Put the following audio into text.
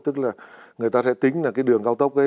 tức là người ta sẽ tính là cái đường cao tốc ấy